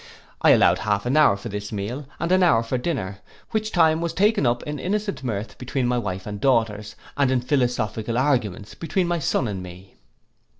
I allowed half an hour for this meal, and an hour for dinner; which time was taken up in innocent mirth between my wife and daughters, and in philosophical arguments between my son and me.